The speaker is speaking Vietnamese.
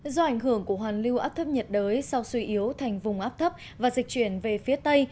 do ảnh hưởng của hoàn lưu áp thấp nhiệt đới sau suy yếu thành vùng áp thấp và dịch chuyển về phía tây